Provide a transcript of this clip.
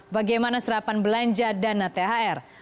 bagaimana serapan belanja dana thr